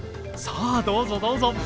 さあどうぞどうぞ。